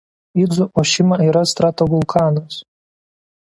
Idzu Ošima yra stratovulkanas.